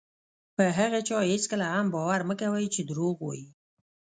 په هغه چا هېڅکله هم باور مه کوئ چې دروغ وایي.